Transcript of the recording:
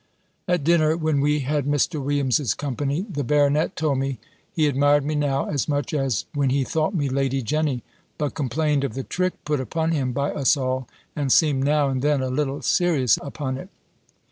At dinner (when we had Mr. Williams's company), the baronet told me, he admired me now, as much as when he thought me Lady Jenny; but complained of the trick put upon him by us all, and seemed now and then a little serious upon it.